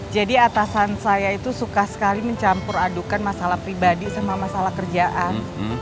jadi atasan saya itu suka sekali mencampur adukan masalah pribadi sama masalah kerjaan